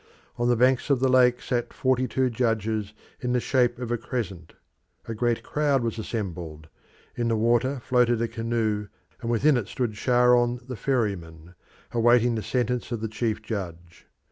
On the banks of the lake sat forty two judges in the shape of a crescent; a great crowd was assembled; in the water floated a canoe, and within it stood Charon the ferryman, awaiting the sentence of the chief judge.